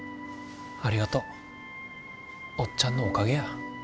ありがとう。おっちゃんのおかげや。